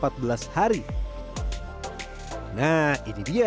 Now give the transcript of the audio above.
nah ini dia telur bebek yang telah diasinkan